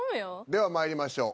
ではまいりましょう。